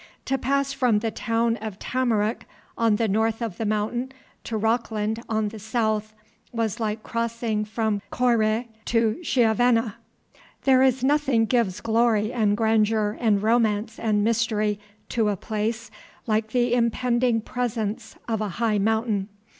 To pass from the town of Tamarack on the north of the mountain to Rockland on the south was like crossing from Coire to Chiavenna. There is nothing gives glory and grandeur and romance and mystery to a place like the impending presence of a high mountain.